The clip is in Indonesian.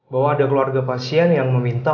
bahwa ada keluarga pasien yang meminta